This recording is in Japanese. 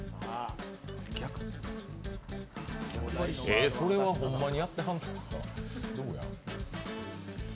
え、これはほんまにやってはんのかな？